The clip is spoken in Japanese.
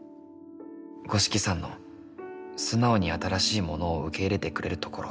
「五色さんの素直に新しいものを受け入れてくれるところ。